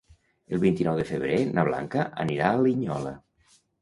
El vint-i-nou de febrer na Blanca anirà a Linyola.